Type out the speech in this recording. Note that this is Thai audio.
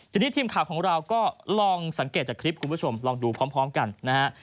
ทีนี้ทีมข่าวของเราก็ลองสังเกตจากคลิปคุณผู้ชมลองดูพร้อมกันนะฮะ